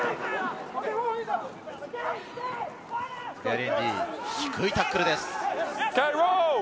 デアリエンディ、低いタックルです。